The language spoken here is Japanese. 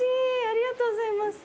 ありがとうございます。